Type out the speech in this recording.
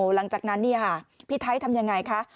หลังจากนั้นพี่ไทยทำยังไงคะ